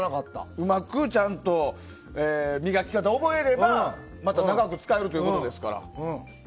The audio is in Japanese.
うまくちゃんと磨き方を覚えればまた長く使えるということですから。